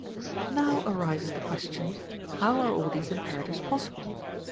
Now arises the question, how are all these imperatives possible?